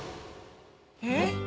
えっ？